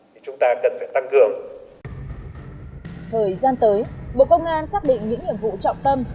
thời gian tới bộ công an xác định những nhiệm vụ trọng tâm